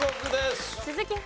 鈴木福さん。